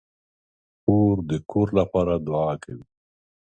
خور د کور لپاره دعا کوي.